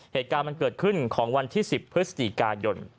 เหตุการณ์มันเกิดขึ้นของวันที่๑๐พฤศจิกายน